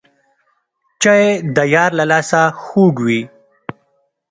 چای د یار له لاسه خوږ وي